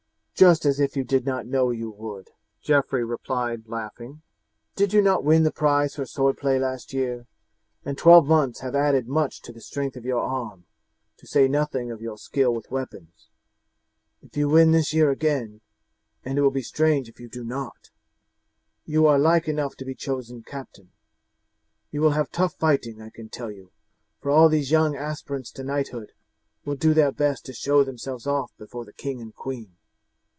"Just as if you did not know you would," Geoffrey replied, laughing. "Did you not win the prize for swordplay last year? And twelve months have added much to the strength of your arm, to say nothing of your skill with weapons. If you win this year again and it will be strange if you do not you are like enough to be chosen captain. You will have tough fighting, I can tell you, for all these young aspirants to knighthood will do their best to show themselves off before the king and queen.